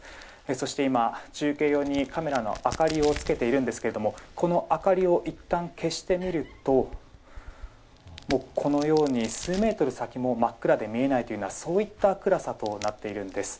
そして今、中継用にカメラの明かりをつけているんですがこの明かりをいったん消してみるとこのように数メートル先も真っ暗で見えないというようなそういった暗さとなっているんです。